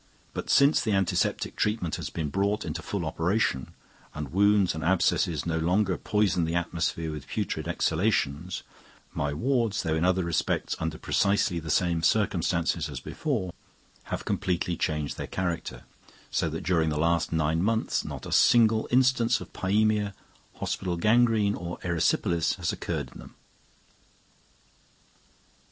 But since the antiseptic treatment has been brought into full operation, and wounds and abscesses no longer poison the atmosphere with putrid exhalations, my wards, though in other respects under precisely the same circumstances as before, have completely changed their character; so that during the last nine months not a single instance of pysemia, hospital gangrene, or erysipelas has occurred in them.